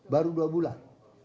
baru dua bulan